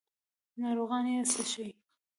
ناروغان یې څښي.